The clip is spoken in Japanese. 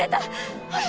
ほら！